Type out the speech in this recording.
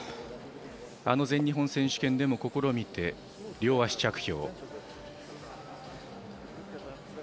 あの全日本選手権でも試みて、両足着氷。